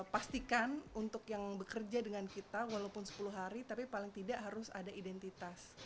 pastikan untuk yang bekerja dengan kita walaupun sepuluh hari tapi paling tidak harus ada identitas